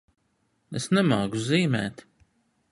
Es nemāku zīmēt.